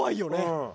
うん。